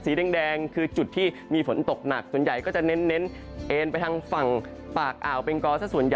สีแดงคือจุดที่มีฝนตกหนักส่วนใหญ่ก็จะเน้นเอนไปทางฝั่งปากอ่าวแปลงกอส